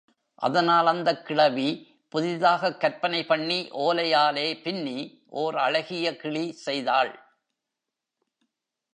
அதனால் அந்தக் கிழவி புதிதாகக் கற்பனை பண்ணி ஓலையாலே பின்னி ஓர் அழகிய கிளி செய்தாள்.